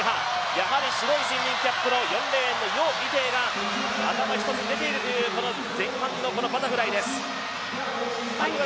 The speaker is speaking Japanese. やはり白いスイミングキャップの４レーンの余依テイが頭一つ出ているという前半のバタフライです。